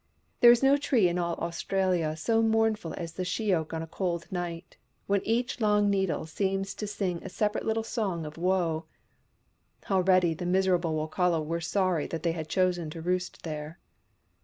There is no tree in all Australia so mournful as the she oak on a cold night, when each long needle seems to sing a separate little song of woe. Already the miserable Wokala were sorry that they had chosen to roost there.